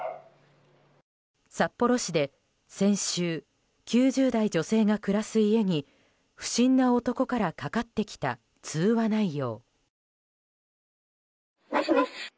札幌市で先週９０代女性が暮らす家に不審な男からかかってきた通話内容。